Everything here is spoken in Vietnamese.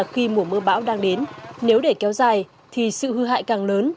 khi mùa mưa bão đang đến nếu để kéo dài thì sự hư hại càng lớn